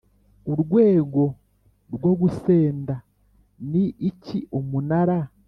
urwego rwo gusenda ni iki Umunara